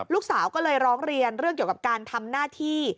ลูกสาวก็เลยร้องเรียนเรื่องเกี่ยวกับการทำหน้าที่